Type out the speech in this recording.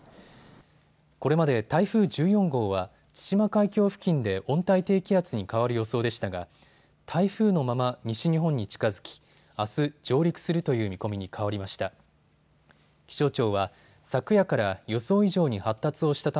これまで台風１４号は対馬海峡付近で温帯低気圧に変わる予想でしたが台風のまま西日本に近づきあす、上陸するという見込みに変わりました。